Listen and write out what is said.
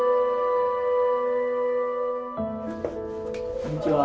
こんにちは。